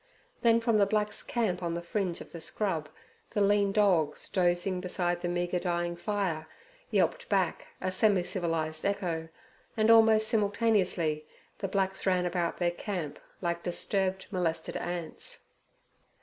Then from the black's camp on the fringe of the scrub the lean dogs, dozing beside the meagre dying fire, yelped back a semicivilized echo, and almost simultaneously the blacks ran about their camp, like disturbed, molested ants.